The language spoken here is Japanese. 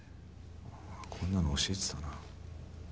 こんなの教えてたな。